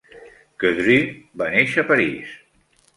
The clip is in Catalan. Queudrue va néixer a París.